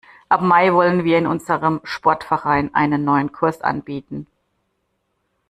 Ab Mai wollen wir in unserem Sportverein einen neuen Kurs anbieten.